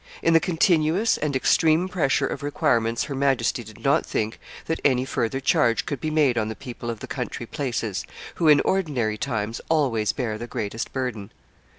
In the continuous and extreme pressure of requirements her Majesty did not think that any further charge could be made on the people of the country places, who in ordinary times always bear the greatest burden.